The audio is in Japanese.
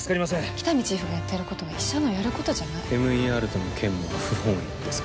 喜多見チーフがやっていることは医者のやることじゃないＭＥＲとの兼務は不本意ですか？